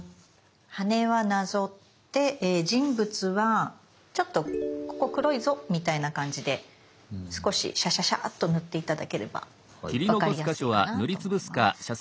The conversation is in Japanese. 羽はなぞって人物はちょっとここ黒いぞみたいな感じで少しシャシャシャッと塗って頂ければ分かりやすいかなと思います。